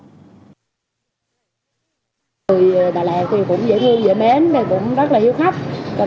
người đà lạt thì cũng dễ thương dễ mến cũng rất là hiểu